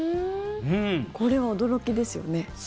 これは驚きですよね。